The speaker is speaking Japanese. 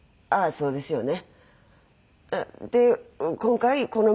そうですよね。